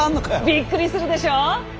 びっくりするでしょ？